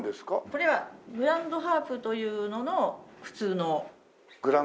これはグランドハープというのの普通の大きさ。